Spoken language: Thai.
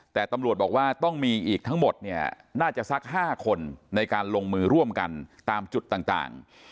แต่ตำรวจบอกว่าต้องมีอีกทั้งหมดเนี่ยน่าจะสัก๕คนในการลงมือร่วมกันตามจุดต่าง